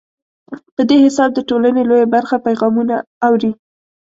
په دې حساب د ټولنې لویه برخه پیغامونه اوري.